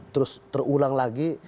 terus terulang lagi